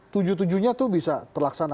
tujuh tujuhnya itu bisa terlaksana